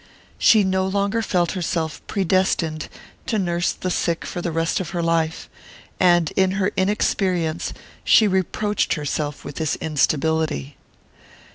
She no longer felt herself predestined to nurse the sick for the rest of her life, and in her inexperience she reproached herself with this instability.